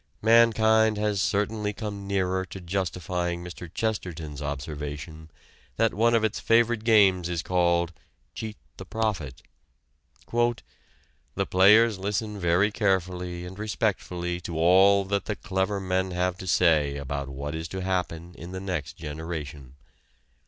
Mankind has certainly come nearer to justifying Mr. Chesterton's observation that one of its favorite games is called "Cheat the Prophet."... "The players listen very carefully and respectfully to all that the clever men have to say about what is to happen in the next generation.